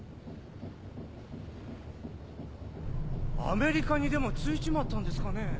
アメリカにでも着いちまったんですかねぇ。